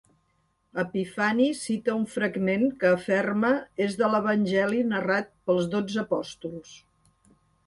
Epifani cita un fragment que aferma és de l'evangeli narrat pels dotze apòstols.